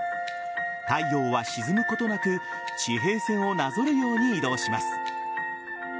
太陽は沈むことなく地平線をなぞるように移動します。